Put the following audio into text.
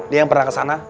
dia yang pernah kesana